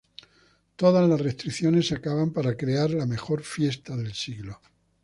Todas las restricciones se acaban para crear la mejor fiesta del siglo.